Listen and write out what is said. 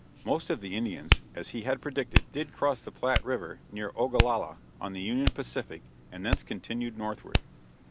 Most of the Indians, as he had predicted, did cross the Platte river, near Ogallala, on the Union Pacific, and thence continued northward.